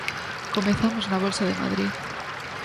Comezamos na bolsa de Madrid.